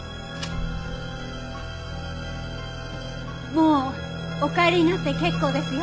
もうお帰りになって結構ですよ。